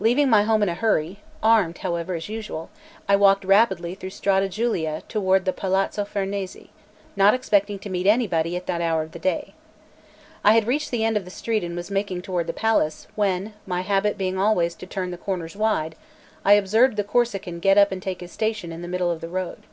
Leaving my home in a hurry, armed, however, as usual, I walked rapidly through Strada Giulia toward the Palazzo Farnese, not expecting to meet anybody at that hour of day. I had reached the end of the street and was making toward the palace, when, my habit being always to turn the corners wide, I observed the Corsican get up and take his station in the middle of the road.